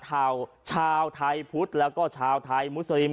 ชาวชาวไทยพุทธแล้วก็ชาวไทยมุสลิม